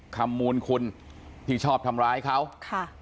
มูลคุณที่ชอบทำร้ายเขาค่ะ